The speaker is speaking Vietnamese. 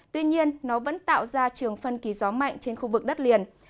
tuy nhiên nó vẫn tạo ra trường phân kỳ gió mạnh trên khu vực đất liền